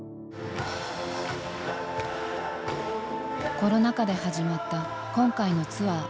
コロナ禍で始まった今回のツアー。